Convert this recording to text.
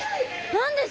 何ですか？